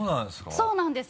そうなんです。